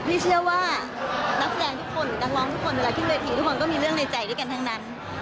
เชื่อว่านักแสดงทุกคนหรือนักร้องทุกคนเวลาขึ้นเวทีทุกคนก็มีเรื่องในใจด้วยกันทั้งนั้น